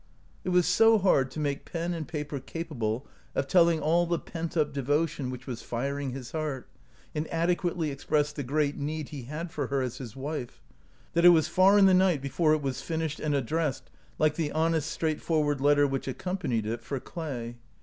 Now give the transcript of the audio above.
It was so hard to make pen and paper capable of* telling all the pent up devotion which was firing his heart, and adequately express the great need he had for her as his wife, that it was far in the night before it was finished and addressed, like the honest, straightforward letter which accompanied it for Clay.